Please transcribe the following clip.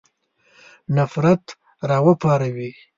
نفرت را وپاروي.